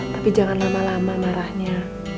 tapi jangan lama lama marahnya